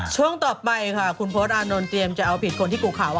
ช่วงต่อไปค่ะคุณพศอานนท์เตรียมจะเอาผิดคนที่กุข่าวว่า